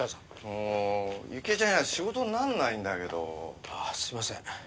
もう雪江ちゃんいないと仕事になんないんだけど。すいません。